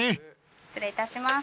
失礼いたします